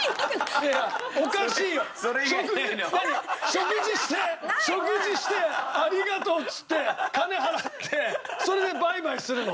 食事して食事して「ありがとう」っつって金払ってそれでバイバイするの？